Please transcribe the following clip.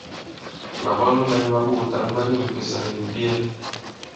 Màbwalo mɛ̄ŋ mā ɓoòtǎŋ ma ni m̀pèsà nì ìbiyɛ.